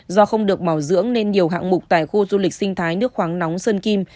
do không được bảo dưỡng nên nhiều hạng mục tại khu du lịch sinh thái nước khoáng nóng sơn kim